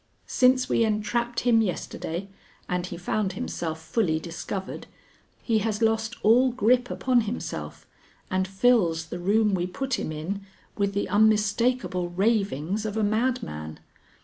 "Since we entrapped him yesterday and he found himself fully discovered, he has lost all grip upon himself and fills the room we put him in with the unmistakable ravings of a madman.